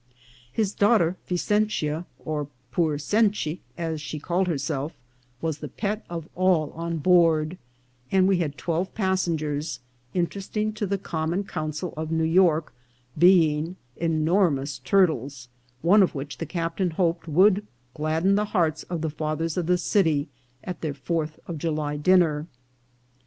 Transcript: His daughter Vicentia, or poor Centy, as she called herself, was the pet of all on board ; and we had twelve passengers, interesting to the Common Council of New York, being enormous turtles, one of which the captain hoped would gladden the hearts of the fathers of the city at their fourth of July dinner.